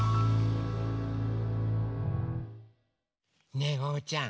ねえおうちゃん。